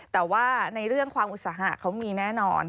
แต่ว่าในเรื่องความอุตสาหะเขามีแน่นอน